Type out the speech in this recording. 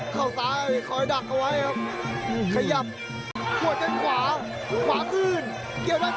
เข้าซ้ายคอยดักเอาไว้ครับขยับหัวแข้งขวาขวาขึ้นเกี่ยวแล้ว